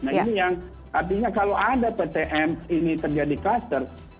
nah ini yang artinya kalau ada ptm ini terjadi klaster